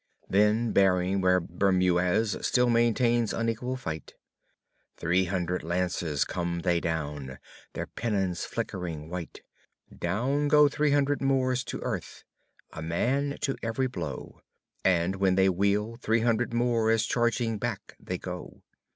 Then bearing where Bermuez still maintains unequal fight. Three hundred lances down they come, their pennons flickering white; Down go three hundred Moors to earth, a man to every blow; And, when they wheel, three hundred more, as charging back they go.